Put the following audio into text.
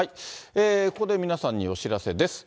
ここで皆さんにお知らせです。